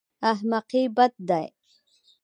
احمقي بد دی.